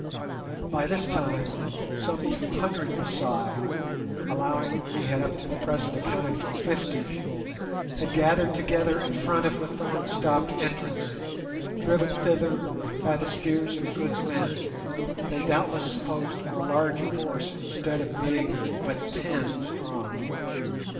By this time some two hundred Masai—allowing that we had up to the present accounted for fifty—had gathered together in front of the thorn stopped entrance, driven thither by the spears of Good's men, whom they doubtless supposed were a large force instead of being but ten strong.